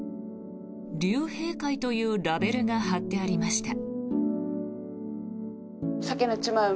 竜兵会というラベルが貼ってありました。